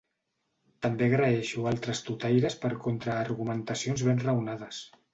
També agraeixo altres tuitaires per contra-argumentacions ben raonades.